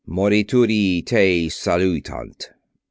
Morituri te salutant!"